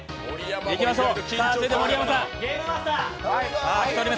いきましょう。